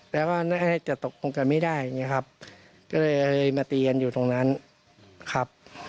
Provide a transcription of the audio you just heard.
แล้วก็น่าจะตกลงกันไม่ได้อย่างนี้ครับก็เลยมาตีกันอยู่ตรงนั้นครับ